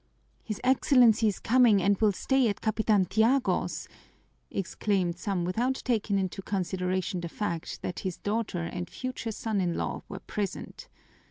"His Excellency is coming and will stay at Capitan Tiago's!" exclaimed some without taking into consideration the fact that his daughter and future son in law were present.